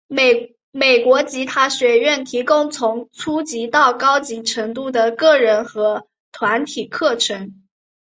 美国吉他学院提供从初级到高级程度的个人和团体课程。